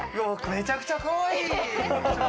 めちゃくちゃかわいい！